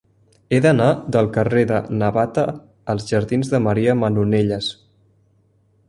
He d'anar del carrer de Navata als jardins de Maria Manonelles.